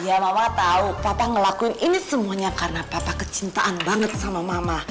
ya mama tahu papa ngelakuin ini semuanya karena papa kecintaan banget sama mama